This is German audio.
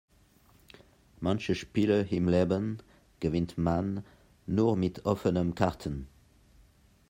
Manche Spiele im Leben gewinnt man nur mit offenen Karten.